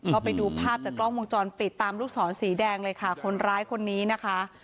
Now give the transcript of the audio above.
ก็ไปดูภาพจากกล้องวงจรปิดตามลูกศรสีแดงเลยค่ะคนร้ายคนนี้นะคะ